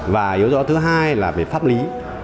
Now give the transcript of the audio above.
và yếu dõi thứ hai là về pháp lý